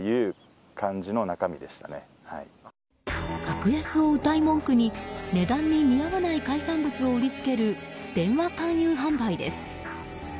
格安をうたい文句に値段に見合わない海産物を売りつける電話勧誘販売です。